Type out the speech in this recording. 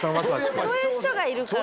こういう人がいるから。